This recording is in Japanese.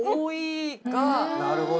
なるほど。